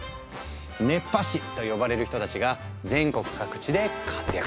「熱波師」と呼ばれる人たちが全国各地で活躍中。